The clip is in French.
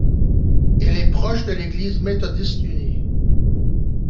Elle est proche de l'Église méthodiste unie.